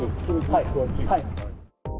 はい。